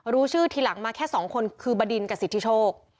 รู้ชื่อทีหลังมาแค่๒คนคือบดินกับสิทธิโชค